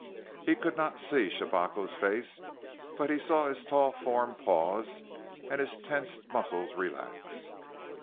He could not see Shabako's face, but he saw his tall form pause, and his tensed muscles relax.